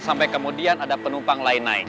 sampai kemudian ada penumpang lain naik